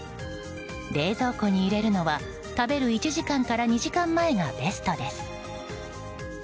冷蔵庫に入れるのは食べる１時間から２時間前がベストです。